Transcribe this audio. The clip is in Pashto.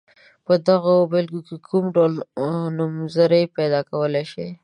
په دغو بېلګو کې کوم ډول نومځري پیداکولای شئ.